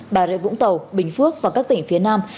bà rịa vũng tàu bình phước và các tỉnh phía nam